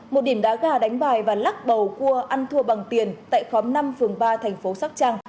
một điểm đá gà đánh bài và lắc bầu cua ăn thua bằng tiền tại khóm năm phường ba thành phố sóc trăng